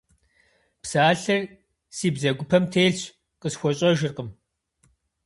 Псалъэр си бзэгупэм телъщ, къысхуэщӏэжыркъым.